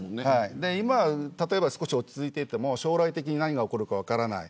例えば今、少し落ち着いていても将来的に何が起きるか分からない。